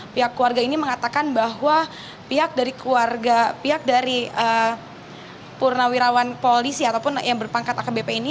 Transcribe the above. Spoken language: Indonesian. pihak keluarga ini mengatakan bahwa pihak dari keluarga pihak dari purnawirawan polisi ataupun yang berpangkat akbp ini